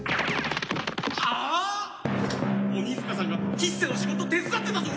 鬼塚さんが吉瀬の仕事手伝ってたぞ。